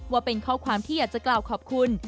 ว่าเป็นข้อความที่อยากจะกล่าวขอบคุณ